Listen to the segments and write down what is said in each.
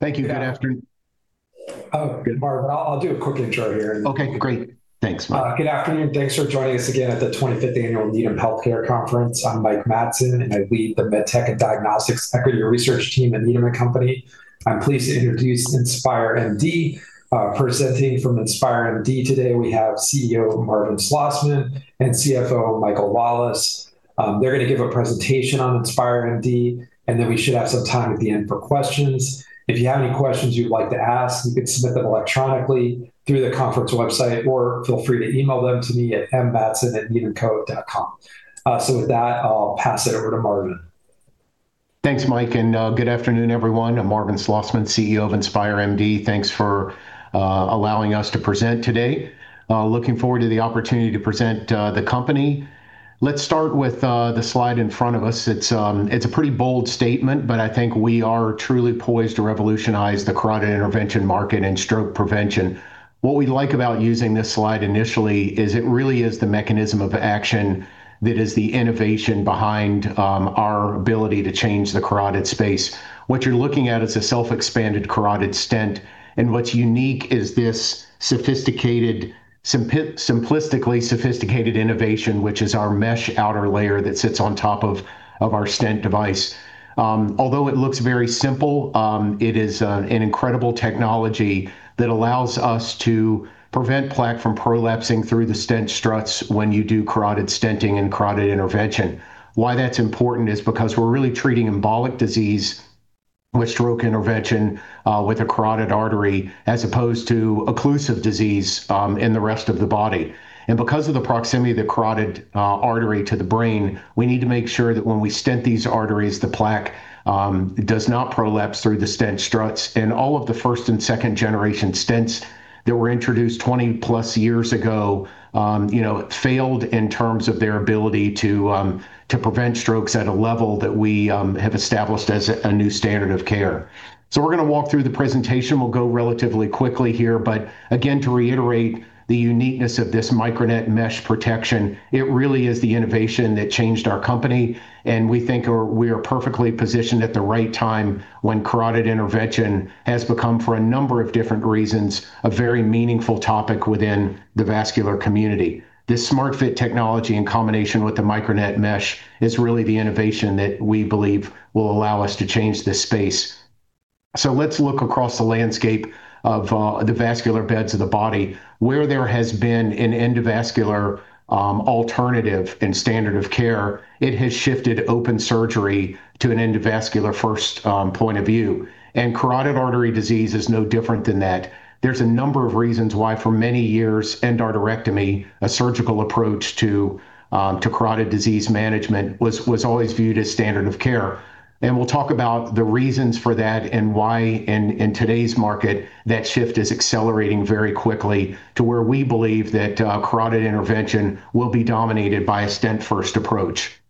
Thank you. Good afternoon. Oh, Marvin. I'll do a quick intro here. Okay, great. Thanks, Mike. Good afternoon. Thanks for joining us again at the 25th Annual Needham Healthcare Conference. I'm Mike Matson, and I lead the MedTech and Diagnostics Equity Research team at Needham & Company. I'm pleased to introduce InspireMD. Presenting from InspireMD today, we have CEO Marvin Slosman and CFO Michael Lawless. They're going to give a presentation on InspireMD, and then we should have some time at the end for questions. If you have any questions you'd like to ask, you can submit them electronically through the conference website, or feel free to email them to me at mmatson@needhamco.com. With that, I'll pass it over to Marvin. Thanks, Mike, and good afternoon, everyone. I'm Marvin Slosman, CEO of InspireMD. Thanks for allowing us to present today. Looking forward to the opportunity to present the company. Let's start with the slide in front of us. It's a pretty bold statement, but I think we are truly poised to revolutionize the carotid intervention market and stroke prevention. What we like about using this slide initially is it really is the mechanism of action that is the innovation behind our ability to change the carotid space. What you're looking at is a self-expanded carotid stent, and what's unique is this simplistically sophisticated innovation, which is our mesh outer layer that sits on top of our stent device. Although it looks very simple, it is an incredible technology that allows us to prevent plaque from prolapsing through the stent struts when you do carotid stenting and carotid intervention. Why that's important is because we're really treating embolic disease with stroke intervention with a carotid artery, as opposed to occlusive disease in the rest of the body. Because of the proximity of the carotid artery to the brain, we need to make sure that when we stent these arteries, the plaque does not prolapse through the stent struts. All of the first and second-generation stents that were introduced 20+ years ago failed in terms of their ability to prevent strokes at a level that we have established as a new standard of care. We're going to walk through the presentation. We'll go relatively quickly here. Again, to reiterate the uniqueness of this MicroNet mesh protection, it really is the innovation that changed our company, and we think we are perfectly positioned at the right time when carotid intervention has become, for a number of different reasons, a very meaningful topic within the vascular community. This SmartFit technology in combination with the MicroNet mesh is really the innovation that we believe will allow us to change this space. Let's look across the landscape of the vascular beds of the body. Where there has been an endovascular alternative and standard of care, it has shifted open surgery to an endovascular-first point of view. Carotid artery disease is no different from that. There are a number of reasons why, for many years, endarterectomy, a surgical approach to carotid disease management, was always viewed as the standard of care. We'll talk about the reasons for that and why, in today's market, that shift is accelerating very quickly to where we believe that carotid intervention will be dominated by a stent-first approach.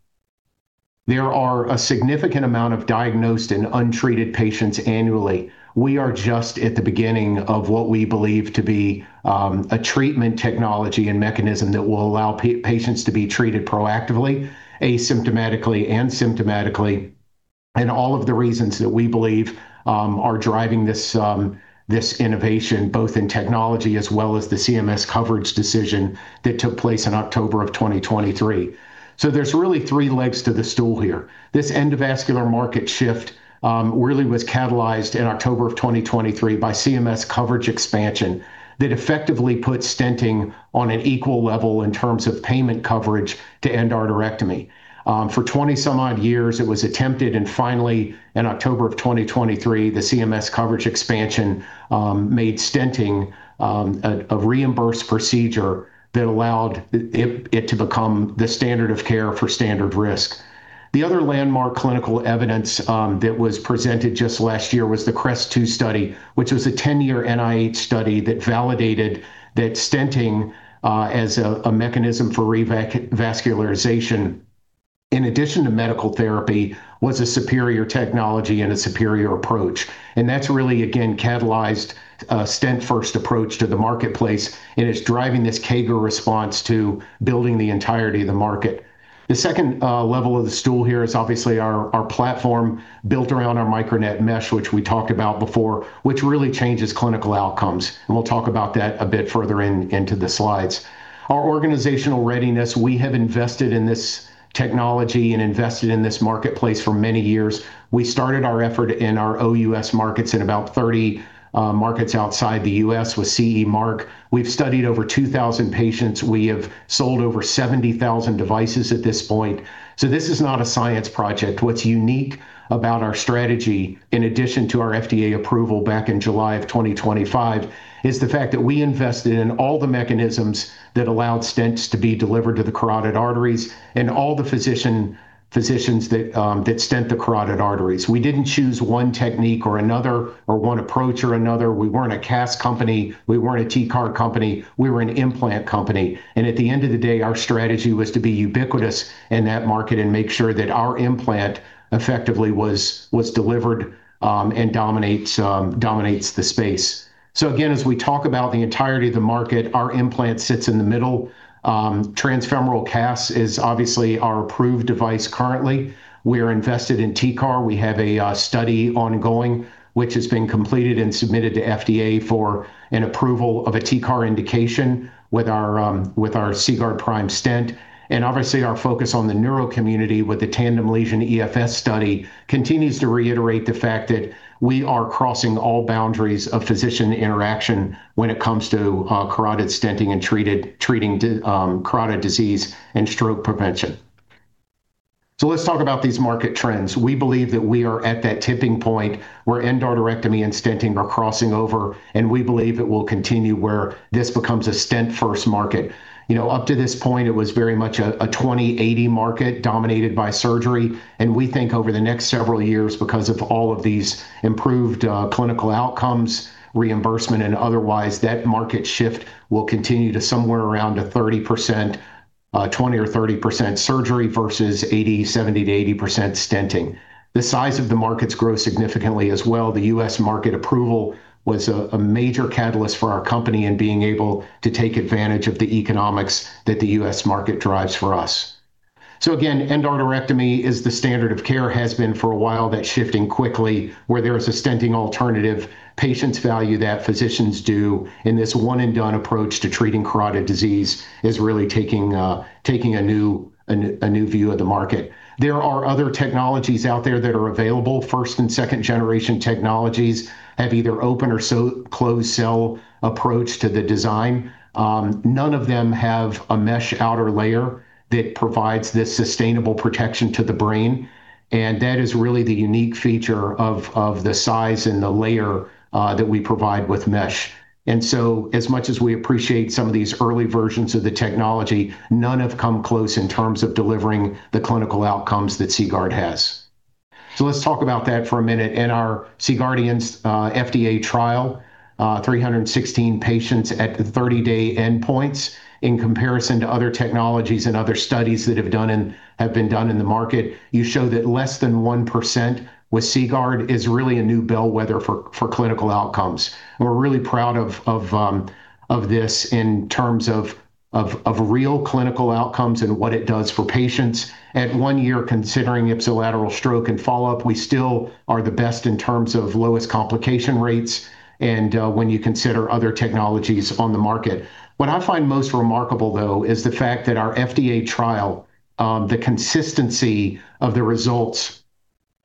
There are a significant number of diagnosed and untreated patients annually. We are just at the beginning of what we believe to be a treatment technology and mechanism that will allow patients to be treated proactively, asymptomatically, and symptomatically, and all of the reasons that we believe are driving this innovation, both in technology as well as the CMS coverage decision that took place in October of 2023. There are really three legs to the stool here. This endovascular market shift really was catalyzed in October of 2023 by CMS coverage expansion that effectively put stenting on an equal level in terms of payment coverage to endarterectomy. For 20-some odd years, it was attempted, and finally, in October of 2023, the CMS coverage expansion made stenting a reimbursed procedure that allowed it to become the standard of care for standard risk. The other landmark clinical evidence that was presented just last year was the CREST-2 study, which was a 10-year NIH study that validated that stenting as a mechanism for revascularization, in addition to medical therapy, was a superior technology and a superior approach. That's really, again, catalyzed a stent-first approach to the marketplace, and it's driving this CAGR response to building the entirety of the market. The second level of the stool here is obviously our platform built around our MicroNet mesh, which we talked about before, which really changes clinical outcomes. We'll talk about that a bit further into the slides. Our organizational readiness: we have invested in this technology and marketplace for many years. We started our efforts in our OUS markets in about 30 markets outside the U.S. with CE Mark. We've studied over 2,000 patients. We have sold over 70,000 devices at this point. This is not a science project. What's unique about our strategy, in addition to our FDA approval back in July of 2025, is the fact that we invested in all the mechanisms that allowed stents to be delivered to the carotid arteries and all the physicians that stent the carotid arteries. We didn't choose one technique or another, or one approach or another. We weren't a CAS company, we weren't a TCAR company, we were an implant company. At the end of the day, our strategy was to be ubiquitous in that market and make sure that our implant was effectively delivered and dominated the space. Again, as we talk about the entirety of the market, our implant sits in the middle. Transfemoral CAS is obviously our currently approved device. We're invested in TCAR. We have an ongoing study which has been completed and submitted to the FDA for approval of a TCAR indication with our CGuard Prime stent. Obviously, our focus on the neuro community with the tandem lesion EFS study continues to reiterate the fact that we are crossing all boundaries of physician interaction when it comes to carotid stenting and treating carotid disease and stroke prevention. Let's talk about these market trends. We believe that we are at that tipping point where endarterectomy and stenting are crossing over, and we believe it will continue until this becomes a stent-first market. Up to this point, it was very much a 20/80 market dominated by surgery, and we think over the next several years, because of all these improved clinical outcomes, reimbursement, and otherwise, that market shift will continue to somewhere around 20%-30% surgery versus 70%-80% stenting. The size of the markets will grow significantly as well. U.S. market approval was a major catalyst for our company in being able to take advantage of the economics that the U.S. market drives for us. Again, endarterectomy is the standard of care, and has been for a while. That's shifting quickly where there is a stenting alternative. Patients value that, physicians do, and this one-and-done approach to treating carotid disease is really taking a new view of the market. There are other technologies out there that are available. First- and second-generation technologies have either an open- or closed-cell approach to the design. None of them have a mesh outer layer that provides this sustainable protection to the brain, and that is really the unique feature of the size and the layer that we provide with mesh. As much as we appreciate some of these early versions of the technology, none have come close in terms of delivering the clinical outcomes that CGuard has. Let's talk about that for a minute. In our C-GUARDIANS FDA trial, 316 patients at the 30-day endpoints, in comparison to other technologies and studies that have been done in the market, show that less than 1% with CGuard is truly a new bellwether for clinical outcomes. We're really proud of this in terms of real clinical outcomes and what it does for patients. At one year, considering ipsilateral stroke and follow-up, we still have the best and lowest complication rates when you consider other technologies on the market. What I find most remarkable, though, is the fact that in our FDA trial, the consistency of the results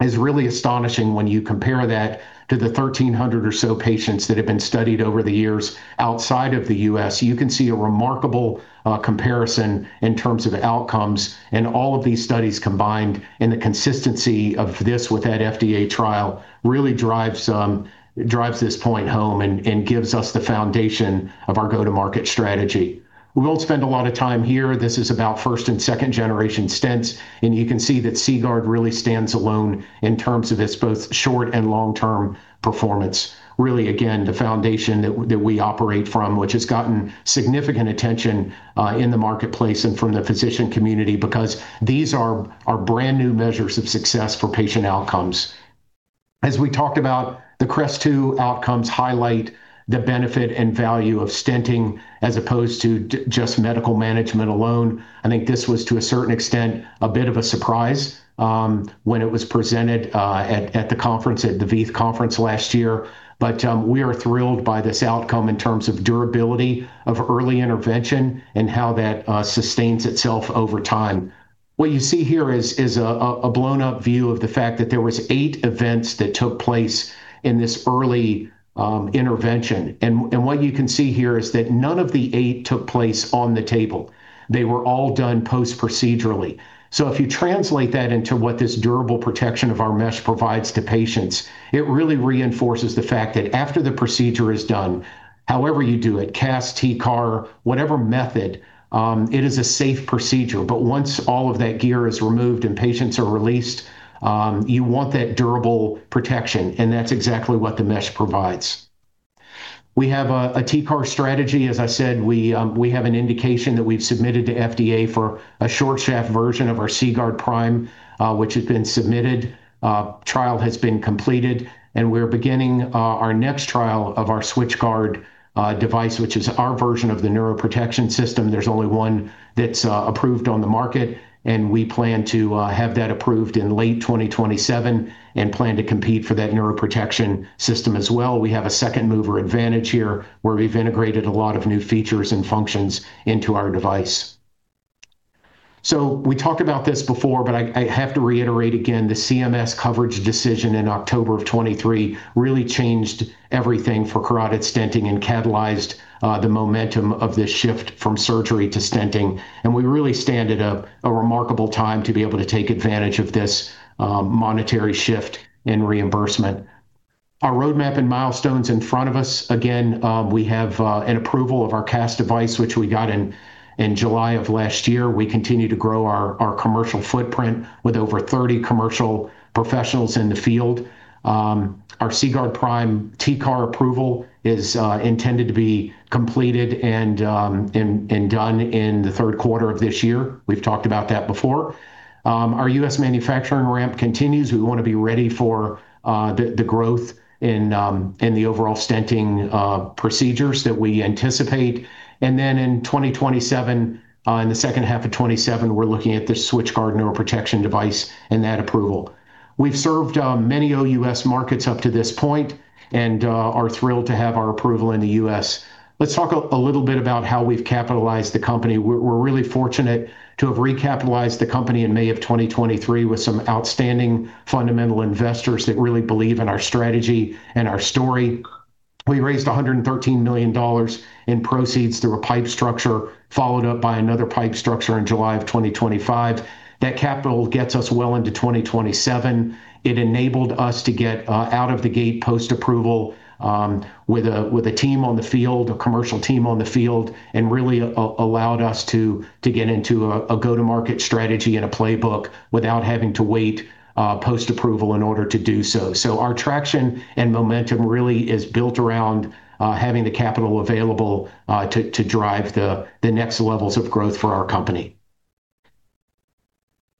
is truly astonishing when you compare that to the 1,300 or so patients that have been studied over the years outside of the U.S. You can see a remarkable comparison in terms of outcomes in all of these studies combined, and the consistency of this with that FDA trial really drives this point home and gives us the foundation of our go-to-market strategy. We won't spend a lot of time here. This is about first- and second-generation stents, and you can see that CGuard really stands alone in terms of both its short- and long-term performance, which is, again, the foundation that we operate from, and which has gotten significant attention in the marketplace and from the physician community, because these are brand-new measures of success for patient outcomes. As we talked about, the CREST-2 outcomes highlight the benefit and value of stenting as opposed to just medical management alone. I think this was, to a certain extent, a bit of a surprise when it was presented at the conference, at the VEITH conference last year. We are thrilled by this outcome in terms of the durability of early intervention and how that sustains itself over time. What you see here is a blown-up view of the fact that there were eight events that took place in this early intervention. What you can see here is that none of the eight took place on the table. They were all done post-procedurally. If you translate that into what this durable protection of our mesh provides to patients, it really reinforces the fact that after the procedure is done, however you do it, CAS, TCAR, whatever method, it is a safe procedure. Once all of that gear is removed and patients are released, you want that durable protection, and that's exactly what the mesh provides. We have a TCAR strategy. As I said, we have an indication that we've submitted to the FDA for a short shaft version of our CGuard Prime, which has been submitted. The trial has been completed, and we're beginning our next trial of our SwitchGuard device, which is our version of the neuroprotection system. There's only one that's approved on the market, and we plan to have that approved in late 2027 and plan to compete for that neuroprotection system as well. We have a second-mover advantage here where we've integrated a lot of new features and functions into our device. We talked about this before, but I have to reiterate again: the CMS coverage decision in October of 2023 really changed everything for carotid stenting and catalyzed the momentum of this shift from surgery to stenting. We really stand at a remarkable time to be able to take advantage of this monetary shift in reimbursement. Our roadmap and milestones are in front of us. Again, we have approval of our CAS device, which we got in July of last year. We continue to grow our commercial footprint with over 30 commercial professionals in the field. Our CGuard Prime TCAR approval is intended to be completed and done in the third quarter of this year. We've talked about that before. Our U.S. manufacturing ramp continues. We want to be ready for the growth in the overall stenting procedures that we anticipate. In 2027, in the second half of 2027, we're looking at the SwitchGuard neuroprotection device and that approval. We've served many OUS markets up to this point and are thrilled to have our approval in the U.S. Let's talk a little bit about how we've capitalized the company. We're really fortunate to have recapitalized the company in May of 2023 with some outstanding fundamental investors that really believe in our strategy and our story. We raised $113 million in proceeds through a PIPE structure, followed up by another PIPE structure in July of 2025. That capital gets us well into 2027. It enabled us to get out of the gate post-approval with a team on the field, a commercial team on the field, and really allowed us to get into a go-to-market strategy and a playbook without having to wait post-approval in order to do so. Our traction and momentum are really built around having the capital available to drive the next levels of growth for our company.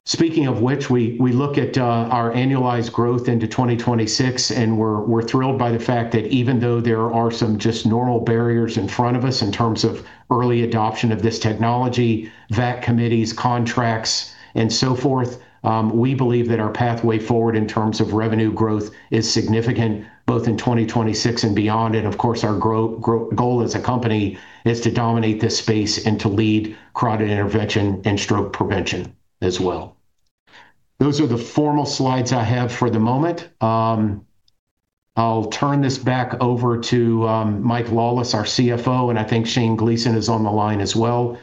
Speaking of which, we look at our annualized growth into 2026, and we're thrilled by the fact that even though there are some normal barriers in front of us in terms of early adoption of this technology, VAC committees, contracts, and so forth, we believe that our pathway forward in terms of revenue growth is significant, both in 2026 and beyond. Of course, our goal as a company is to dominate this space and to lead carotid intervention and stroke prevention as well. Those are the formal slides I have for the moment. I'll turn this back over to Mike Lawless, our CFO, and I think Shane Gleason is on the line as well,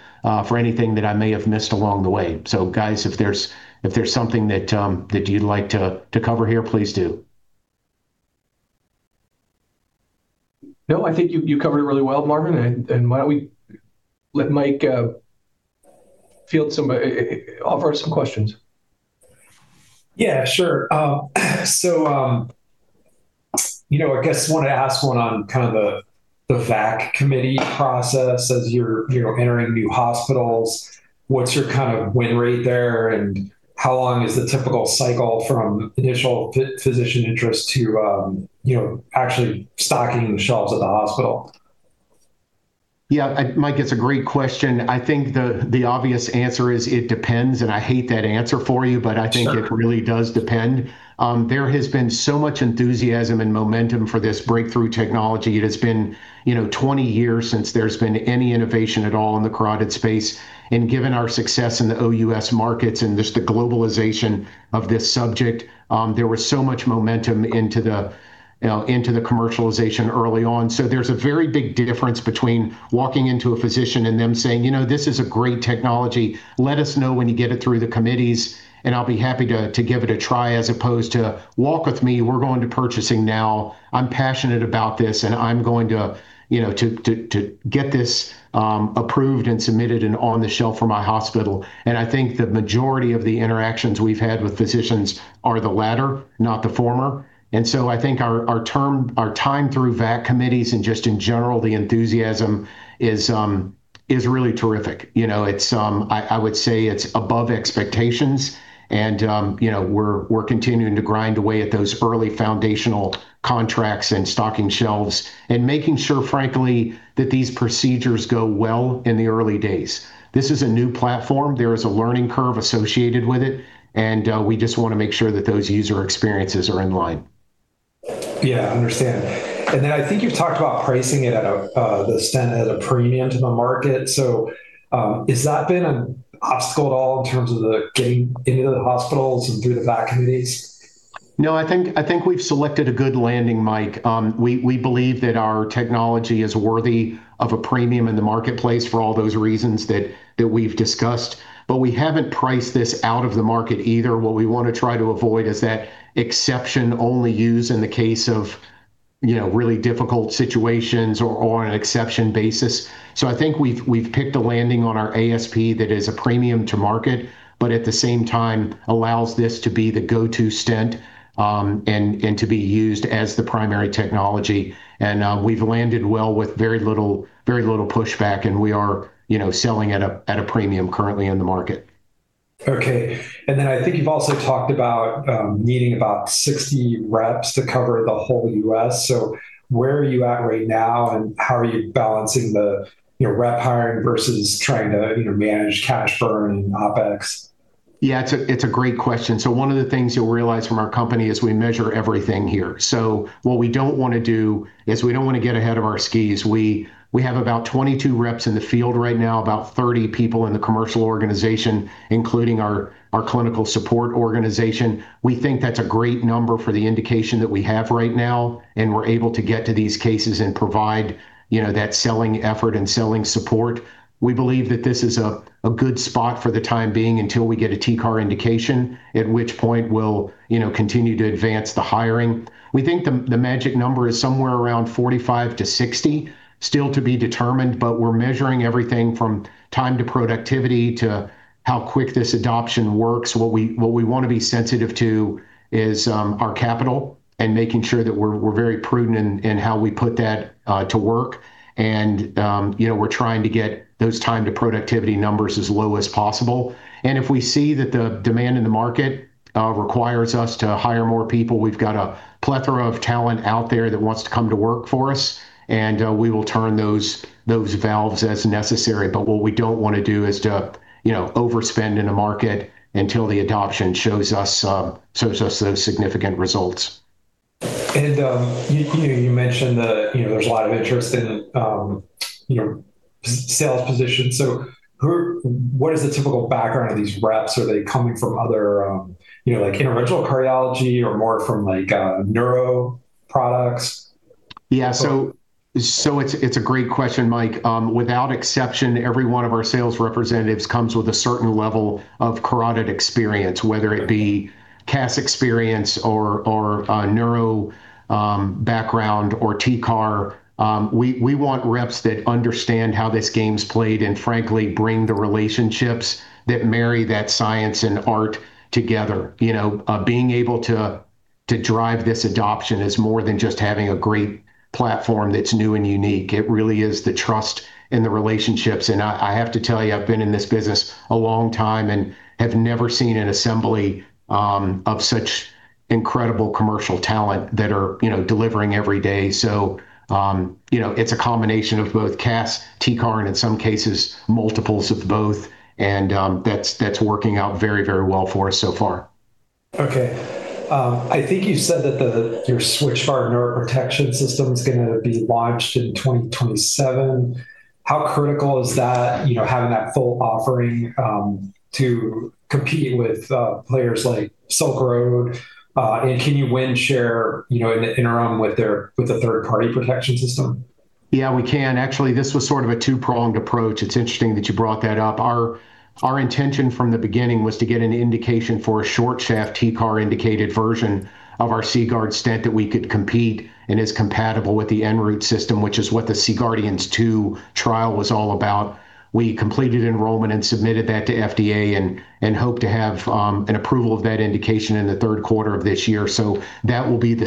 for anything that I may have missed along the way. Guys, if there's something you'd like to cover here, please do. No, I think you covered it really well, Marvin. Why don't we let Mike offer some questions? Yeah, sure. Our guests want to ask about the VAC committee process as you're entering new hospitals. What's your win rate there, and how long is the typical cycle from initial physician interest to actually stocking the shelves at the hospital? Yeah, Mike, it's a great question. I think the obvious answer is, it depends, and I hate that answer for you. Sure It really does depend. There has been so much enthusiasm and momentum for this breakthrough technology. It has been 20 years since there's been any innovation at all in the carotid space, and given our success in the OUS markets and just the globalization of this subject, there was so much momentum for early commercialization. There's a very big difference between walking into a physician's office and them saying, "This is great technology. Let us know when you get it through the committees, and I'll be happy to give it a try," as opposed to, "Walk with me. We're going to purchasing now. I'm passionate about this, and I'm going to get this approved and submitted and on the shelf for my hospital." I think the majority of the interactions we've had with physicians are the latter, not the former. I think our time through VAC committees and just in general, the enthusiasm is really terrific. I would say it's above expectations, and we're continuing to grind away at those early foundational contracts and stocking shelves and making sure, frankly, that these procedures go well in the early days. This is a new platform. There is a learning curve associated with it, and we just want to make sure that those user experiences are in line. Yeah, I understand. I think you've talked about pricing it at a premium to the market. Has that been an obstacle at all in terms of getting into the hospitals and through the VAC committees? No, I think we've selected a good landing, Mike. We believe that our technology is worthy of a premium in the marketplace for all those reasons that we've discussed. We haven't priced this out of the market either. What we want to try to avoid is that exception-only use in the case of really difficult situations or on an exception basis. I think we've picked a landing on our ASP that is a premium to market, but at the same time allows this to be the go-to stent and to be used as the primary technology. We've landed well with very little pushback, and we are selling at a premium currently in the market. Okay. I think you've also talked about needing about 60 reps to cover the whole U.S. Where are you at right now, and how are you balancing the rep hiring versus trying to manage cash burn and OpEx? Yeah, it's a great question. One of the things you'll realize about our company is we measure everything here. What we don't want to do is get ahead of ourselves. We have about 22 reps in the field right now, about 30 people in the commercial organization, including our clinical support organization. We think that's a great number for the indication we have right now, and we're able to get to these cases and provide that selling effort and selling support. We believe that this is a good spot for the time being until we get a TCAR indication, at which point we'll continue to advance the hiring. We think the magic number is somewhere around 45-60, still to be determined, but we're measuring everything from time to productivity to how quickly this adoption works. What we want to be sensitive to is our capital and making sure that we're very prudent in how we put that to work. We're trying to get those time-to-productivity numbers as low as possible. If we see that the demand in the market requires us to hire more people, we've got a plethora of talent out there that wants to come to work for us, and we will turn those valves as necessary. What we don't want to do is to overspend in a market until the adoption shows us those significant results. You mentioned that there's a lot of interest in sales positions. What is the typical background of these reps? Are they coming from other areas, like interventional cardiology, or more from neuro products? Yeah, it's a great question, Mike. Without exception, every one of our sales representatives comes with a certain level of carotid experience, whether it be CAS experience or neuro background or TCAR. We want reps that understand how this game's played and, frankly, bring the relationships that marry that science and art together. Being able to drive this adoption is more than just having a great platform that's new and unique. It really is the trust and the relationships. I have to tell you, I've been in this business a long time and have never seen an assembly of such incredible commercial talent that are delivering every day. It's a combination of both CAS, TCAR, and in some cases, multiples of both. That's working out very well for us so far. Okay, I think you said that your SwitchGuard neuroprotection system is going to be launched in 2027. How critical is it to have that full offering to compete with players like Silk Road? Can you win market share in the interim with the third-party protection system? Yes, we can. Actually, this was sort of a two-pronged approach. It's interesting that you brought that up. Our intention from the beginning was to get an indication for a short-shaft TCAR-indicated version of our CGuard stent that we could compete with and that is compatible with the ENROUTE system, which is what the C-GUARDIANS II trial was all about. We completed enrollment and submitted that to the FDA and hope to have an approval of that indication in the third quarter of this year. That will be the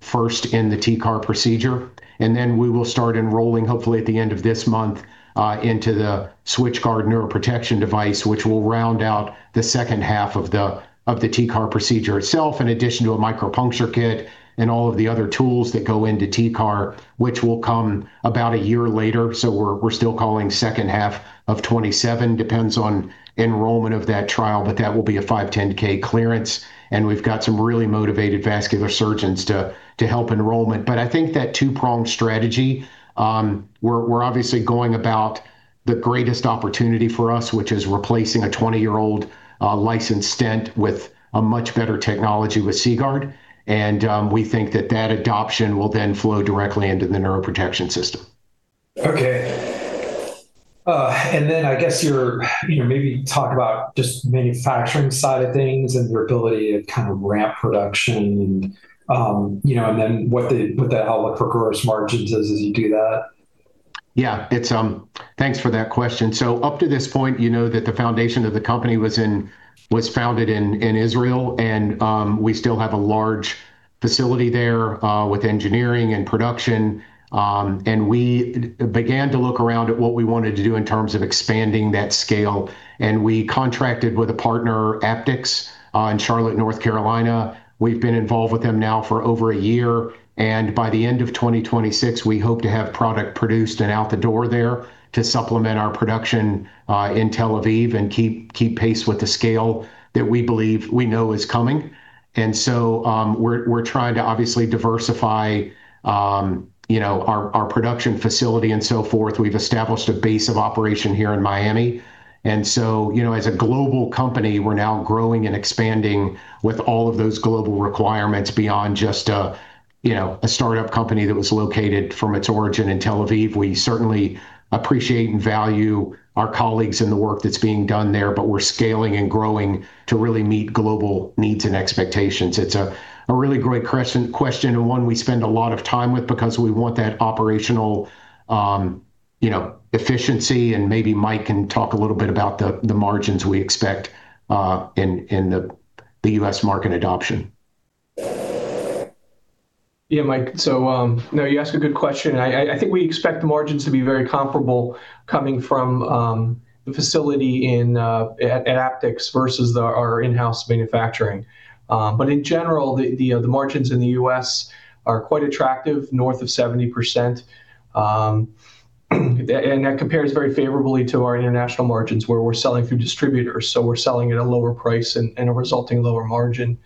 first stent in the TCAR procedure. We will start enrolling, hopefully at the end of this month, into the SwitchGuard neuroprotection device, which will round out the second half of the TCAR procedure itself, in addition to a micropuncture kit and all of the other tools that go into TCAR, which will come about a year later. So we're still calling the second half of '27. It depends on the enrollment of that trial, but that will be a 510 clearance. And we've got some really motivated vascular surgeons to help enrollment. But I think that two-pronged strategy, we're obviously going about the greatest opportunity for us, which is replacing a 20-year-old licensed stent with a much better technology with CGuard™. And we think that that adoption will then flow directly into the neuroprotection system. Okay. I guess maybe talk about just the manufacturing side of things and your ability to kind of ramp up production, and then what the outlook for gross margins is as you do that. Yeah. Thanks for that question. Up to this point, you know that the foundation of the company was founded in Israel, and we still have a large facility there with engineering and production. We began to look around at what we wanted to do in terms of expanding that scale. We contracted with a partner, Aptiqz, in Charlotte, North Carolina. We've been involved with them now for over one year, and by the end of 2026, we hope to have product produced and out the door there to supplement our production in Tel Aviv and keep pace with the scale that we believe we know is coming. We're trying to obviously diversify our production facility and so forth. We've established a base of operations here in Miami. As a global company, we're now growing and expanding with all of those global requirements beyond just a startup company that was originally located in Tel Aviv. We certainly appreciate and value our colleagues and the work that's being done there, but we're scaling and growing to really meet global needs and expectations. It's a really great question and one we spend a lot of time on because we want that operational efficiency, and maybe Mike can talk a little bit about the margins we expect in U.S. market adoption. Yeah, Mike, you ask a good question, and I think we expect the margins to be very comparable coming from the facility at Aptiqz versus our in-house manufacturing. In general, the margins in the U.S. are quite attractive, north of 70%. That compares very favorably to our international margins where we're selling through distributors, so we're selling at a lower price and a resulting lower margin.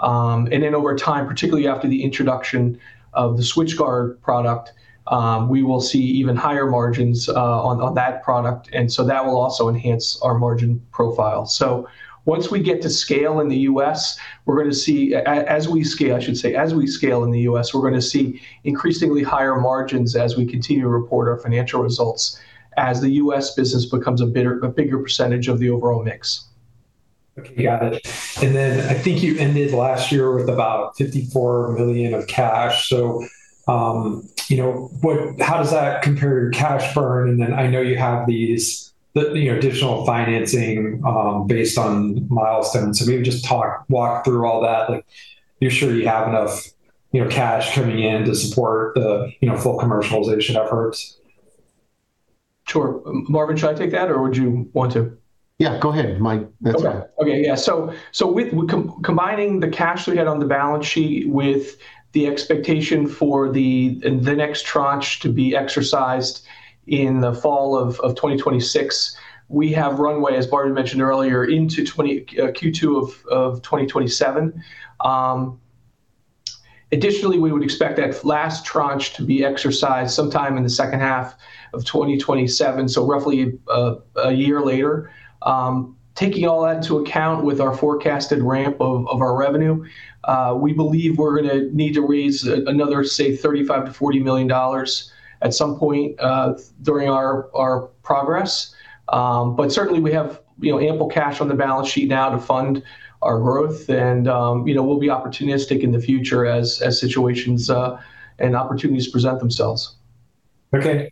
Over time, particularly after the introduction of the SwitchGuard product, we will see even higher margins on that product. That will also enhance our margin profile. Once we get to scale in the U.S., I should say, as we scale in the U.S., we're going to see increasingly higher margins as we continue to report our financial results as the U.S. business becomes a bigger percentage of the overall mix. Okay, got it. I think you ended last year with about $54 million in cash. How does that compare to cash burn? I know you have this additional financing based on milestones. Maybe just walk through all that to ensure you have enough cash coming in to support the full commercialization efforts. Sure. Marvin, should I take that or would you want to? Yeah, go ahead, Mike. That's all right. Okay. Yeah. Combining the cash we had on the balance sheet with the expectation for the next tranche to be exercised in the fall of 2026, we have runway, as Marvin mentioned earlier, into Q2 of 2027. Additionally, we would expect that last tranche to be exercised sometime in the second half of 2027, so roughly a year later. Taking all that into account with our forecasted ramp of our revenue, we believe we're going to need to raise another, say, $35 million-$40 million at some point during our progress. Certainly, we have ample cash on the balance sheet now to fund our growth, and we'll be opportunistic in the future as situations and opportunities present themselves. Okay.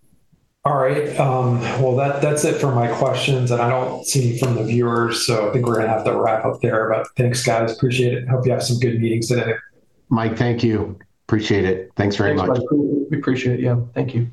All right. Well, that's it for my questions. I don't see any from the viewers, so I think we're going to have to wrap up there. Thanks, guys, I appreciate it. Hope you have some good meetings today. Mike, thank you. Appreciate it. Thanks very much. Thanks, Mike. We appreciate you. Thank you.